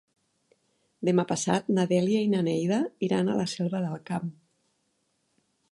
Demà passat na Dèlia i na Neida iran a la Selva del Camp.